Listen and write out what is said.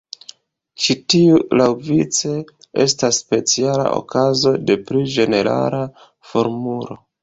Ĉi tiu laŭvice estas speciala okazo de pli ĝenerala formulo.